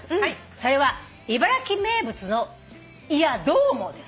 「それは茨城名物のいやどうもです」